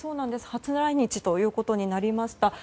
初来日ということになりました。